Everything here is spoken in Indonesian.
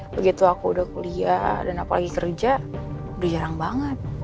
begitu aku udah kuliah dan apalagi kerja udah jarang banget